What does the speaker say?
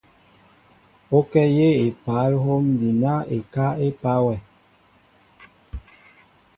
O kɛl yɛɛ epal hom adina ekáá epa wɛ.